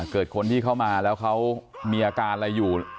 เกิดคนที่เข้ามาแล้วเขามีอาการอะไรอยู่